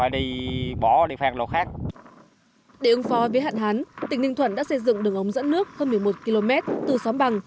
để ứng phó với hạn hán tỉnh ninh thuận đã xây dựng đường ống dẫn nước hơn một mươi một km từ xóm bằng